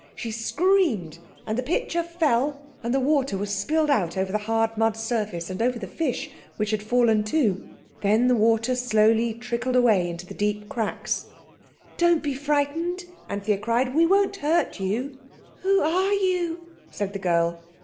She screamed and the pitcher fell, and the water was spilled out over the hard mud surface and over the fish, which had fallen too. Then the water slowly trickled away into the deep cracks. "Don't be frightened," Anthea cried, "we won't hurt you." "Who are you?" said the girl.